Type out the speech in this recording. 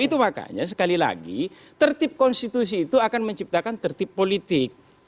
itu makanya sekali lagi tertib konstitusi itu akan menciptakan tertib politik